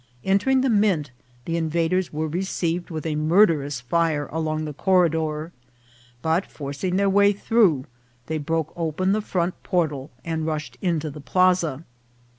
Entering the mint, the invaders were re ceived with a murderous fire along the corridor ; but, forcing their way through, they broke open the front portal, and rushed into the plaza.